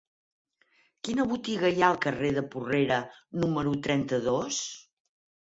Quina botiga hi ha al carrer de Porrera número trenta-dos?